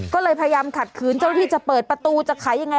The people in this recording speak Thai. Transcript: ก็เลยพยายามขัดขืนเจ้าที่จะเปิดประตูจะขายยังไง